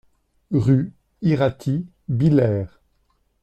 Rue Iraty, Billère